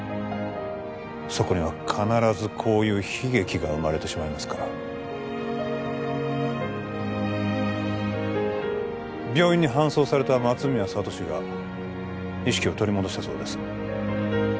そこには必ずこういう悲劇が生まれてしまいますから病院に搬送された松宮聡が意識を取り戻したそうです